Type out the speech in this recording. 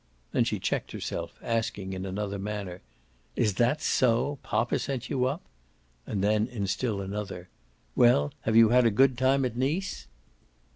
Then she checked herself, asking in another manner: "Is that so? poppa sent you up?" And then in still another: "Well, have you had a good time at Nice?"